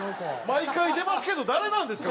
毎回出ますけど誰なんですか？